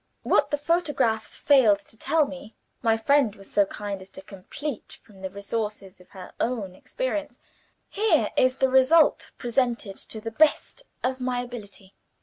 What the photographs failed to tell me, my friend was so kind as to complete from the resources of her own experience. Here is the result presented to the best of my ability.